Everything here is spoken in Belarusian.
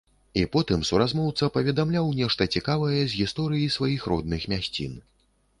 І потым суразмоўца паведамляў нешта цікавае з гісторыі сваіх родных мясцін.